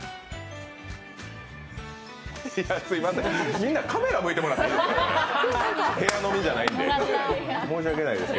みんなカメラを向いてもらっていいですか。